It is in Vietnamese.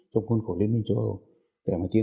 từ một liên xô trước đây